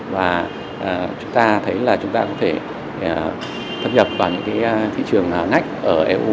và chúng ta thấy là chúng ta có thể thâm nhập vào những cái thị trường ngách ở eu